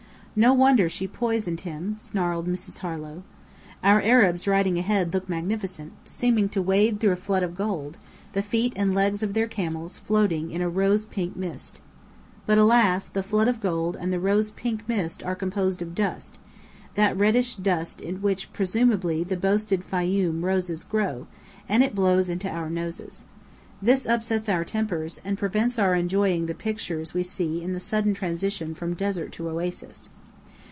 "No wonder she poisoned him!" snarled Mrs. Harlow. Our Arabs riding ahead look magnificent, seeming to wade through a flood of gold, the feet and legs of their camels floating in a rose pink mist. But alas, the flood of gold and the rose pink mist are composed of dust that reddish dust in which presumably the boasted Fayoum roses grow; and it blows into our noses. This upsets our tempers, and prevents our enjoying the pictures we see in the sudden transition from desert to oasis.